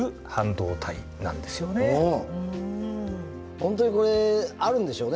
本当にこれあるんでしょうね